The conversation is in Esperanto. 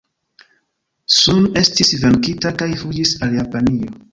Sun estis venkita kaj fuĝis al Japanio.